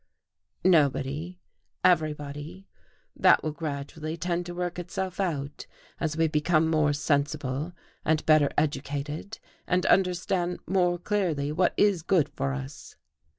"Nobody everybody. That will gradually tend to work itself out as we become more sensible and better educated, and understand more clearly what is good for us."